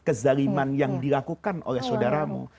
kezaliman yang dilakukan oleh saudaramu